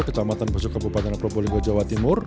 kecamatan besok kabupaten apropo linggo jawa timur